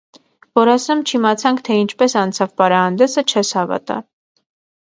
Որ ասեմ չիմացանք, թե ինչպես անցավ պարահանդեսը, չես հավատալ: